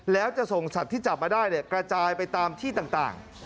แล้วจะส่งสัตว์ที่จับมาได้กระจายไปตามที่ต่าง